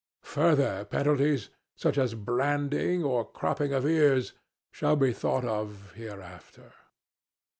Further penalties, such as branding and cropping of ears, shall be thought of hereafter."